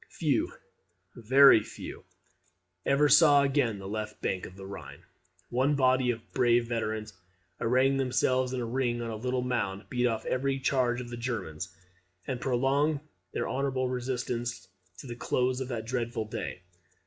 Few, very few, ever saw again the left bank of the Rhine. One body of brave veterans, arraying themselves in a ring on a little mound, beat off every charge of the Germans, and prolonged their honourable resistance to the close of that dreadful day.